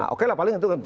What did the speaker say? oke lah paling itu